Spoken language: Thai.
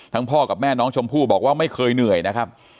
พ่อกับแม่น้องชมพู่บอกว่าไม่เคยเหนื่อยนะครับ